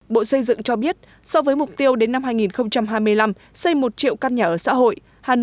bộ xây dựng cho biết so với mục tiêu đến năm hai nghìn hai mươi năm xây một triệu căn nhà ở xã hội